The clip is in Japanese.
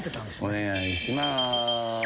お願いします。